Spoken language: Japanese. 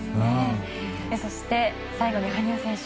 そして、最後に羽生選手